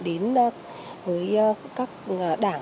đến với các đảng